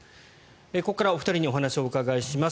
ここからお二人にお話をお伺いします。